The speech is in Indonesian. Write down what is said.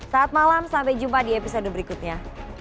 sampai jumpa di episode berikutnya